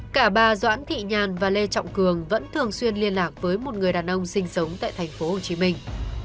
cả bà doãn thị nhàn và lê trọng cường vẫn thường xuyên liên lạc với một người đàn ông sinh sống tại thành phố hồ chí minh